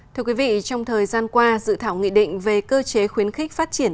thưa quý vị trong thời gian qua dự thảo nghị định về cơ chế khuyến khích phát triển